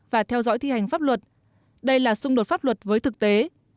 và theo dõi thi hành pháp luật đây là xung đột pháp luật với thực tế